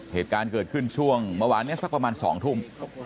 เหตุการณ์เกิดขึ้นช่วงเมื่อวานนี้สักประมาณ๒ทุ่ม